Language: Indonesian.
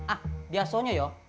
ah biasanya yuk